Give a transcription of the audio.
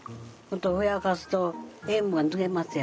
ふやかすと塩分が抜けますやろ。